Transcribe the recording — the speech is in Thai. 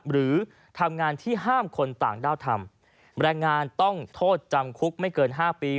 หรือทำงานที่ห้ามคนต่างด้าวทำแรงงานต้องโทษจำคุกไม่เกิน๕ปี